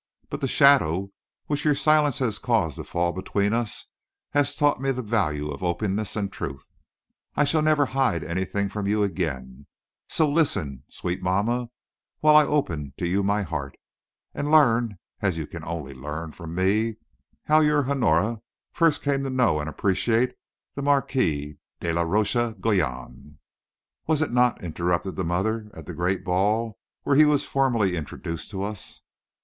But the shadow which your silence has caused to fall between us has taught me the value of openness and truth. I shall never hide anything from you again; so listen, sweet mamma, while I open to you my heart, and learn, as you can only learn from me, how your Honora first came to know and appreciate the Marquis de la Roche Guyon." "Was it not," interrupted the mother, "at the great ball where he was formally introduced to us?"